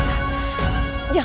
jangan lupa aku